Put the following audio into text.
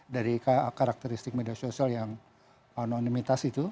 dari karakteristik media sosial yang anonimitas itu